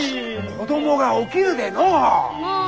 子供が起きるでのう！